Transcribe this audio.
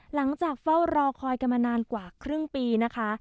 หลังจากเฝ้ารอคอยกันมานานกว่าครึ่งปีนะคะ